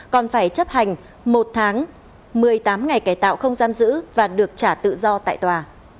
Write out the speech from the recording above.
còn phải chấp hành một tháng một mươi tám ngày cải tạo không giam giữ và được trả tự do tại tòa